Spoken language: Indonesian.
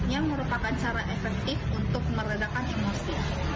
yang merupakan cara efektif untuk meredakan emosi